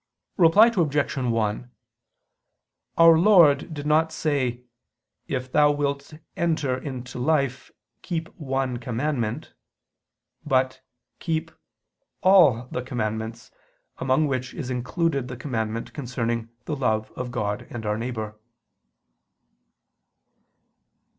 Reply Obj. 1: Our Lord did not say, "If thou wilt enter into life, keep one commandment"; but "keep" all "the commandments": among which is included the commandment concerning the love of God and our neighbor.